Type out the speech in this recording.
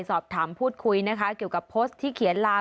สอบถามพูดคุยนะคะเกี่ยวกับโพสต์ที่เขียนลาม